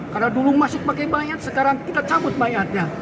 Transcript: karena dulu masuk pakai bayat sekarang kita cabut bayatnya